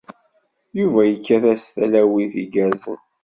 Yuba yekkat-as talawit igerrzen.